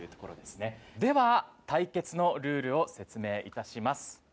では対決のルールを説明いたします。